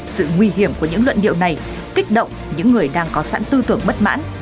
sự nguy hiểm của những luận điệu này kích động những người đang có sẵn tư tưởng bất mãn